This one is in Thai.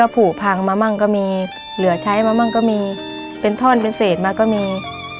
ผูกพังมามั่งก็มีเหลือใช้มามั่งก็มีเป็นท่อนเป็นเศษมาก็มี